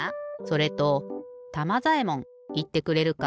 それとたまざえもんいってくれるか？